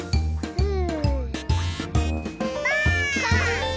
うん？